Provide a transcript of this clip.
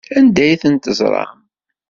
Anda ay ten-teẓram?